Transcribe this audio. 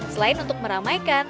selain untuk meramaikan